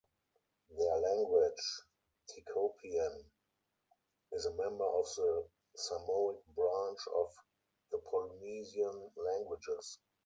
Their language, Tikopian, is a member of the Samoic branch of the Polynesian languages.